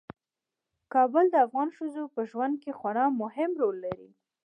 کابل د افغان ښځو په ژوند کې خورا مهم رول لري.